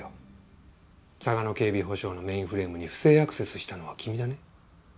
サガノ警備保障のメインフレームに不正アクセスしたのは君だね？